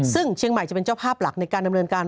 ซึ่งเชียงใหม่จะเป็นเจ้าภาพหลักในการดำเนินการ